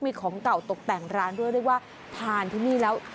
มีของเก่าตกแต่งร้านด้วยเรียกว่าทานที่นี่แล้ว